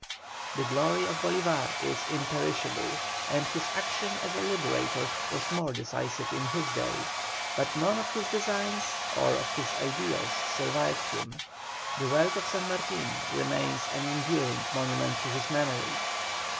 The glory of Bolívar is imperishable, and his action as a liberator was more decisive in his day, but none of his designs or of his ideals survived him. The work of San Martin remains an enduring monument to his memory.